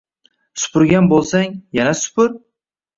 Supurgan boʻlsang, yana supur